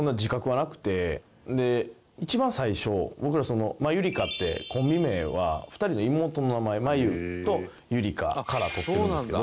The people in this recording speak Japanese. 一番最初僕らその「マユリカ」ってコンビ名は２人の妹の名前「マユ」と「ユリカ」から取ってるんですけど。